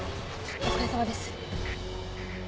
お疲れさまです。